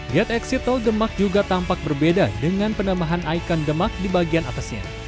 diet eksit tol demak juga tampak berbeda dengan penambahan ikon demak di bagian atasnya